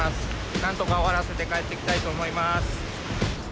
なんとか終わらせて帰ってきたいと思います。